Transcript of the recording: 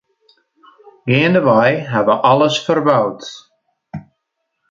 Geandewei ha we alles ferboud.